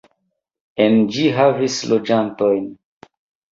En ĝi havis loĝantojn.